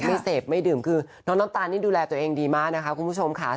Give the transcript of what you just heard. ไม่เสพไม่ดื่มคือน้องน้ำตาลนี่ดูแลตัวเองดีมากนะคะคุณผู้ชมค่ะ